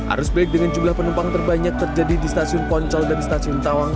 arus balik dengan jumlah penumpang terbanyak terjadi di stasiun poncol dan stasiun tawang